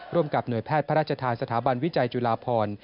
ร่วมกับหน่วยแพทย์พระราชทานสถาบันวิจัยจุฬาพร